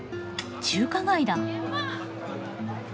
中華街だ。